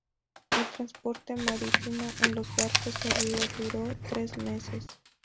El transporte marítimo en los barcos de río duró tres meses.